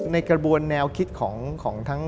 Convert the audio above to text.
กระบวนแนวคิดของทั้ง